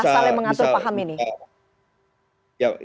pasal yang mengatur paham ini